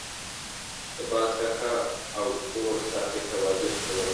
د باز کاکا او اور صاحب تواضع کوله.